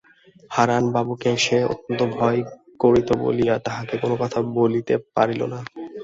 হারানবাবুকে সে অত্যন্ত ভয় করিত বলিয়া তাঁহাকে কোনো কথা বলিতে পারিল না।